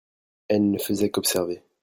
elle ne faisait qu'observer.